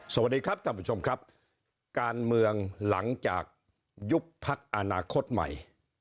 สวัสดีครับท่านผู้ชมครับการเมืองหลังจากยุบพักอนาคตใหม่